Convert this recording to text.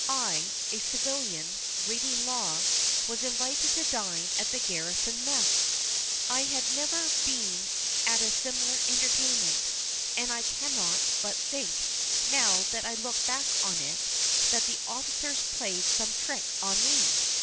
I, a civilian, reading law, was invited to dine at the garrison mess. I had never been at a similar entertainment, and I cannot but think, now that I look back on it, that the officers played some trick on me.